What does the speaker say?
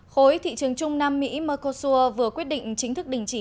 khối thị trường trung nam mỹ mikosur vừa quyết định chính thức đình chỉ